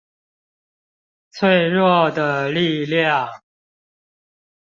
脆弱的力量